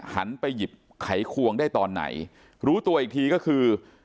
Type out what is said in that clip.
หันไปหยิบไขควงได้ตอนไหนรู้ตัวอีกทีก็คือ